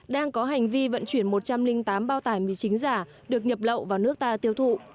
đang có hành vi vận chuyển một trăm linh tám bao tải mì chính giả được nhập lậu vào nước ta tiêu thụ